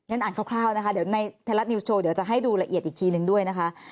อ่านคร่าวนะคะเดี๋ยวในไทยรัฐนิวส์โชว์เดี๋ยวจะให้ดูละเอียดอีกทีนึงด้วยนะคะ